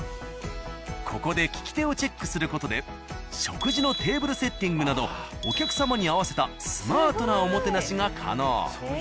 ここで利き手をチェックする事で食事のテーブルセッティングなどお客様に合わせたスマートなおもてなしが可能。